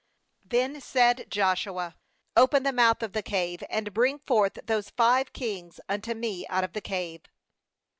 ^Then said Joshua :' Open the mouth of the cave, and bring forth those five kings unto me out of the cave.'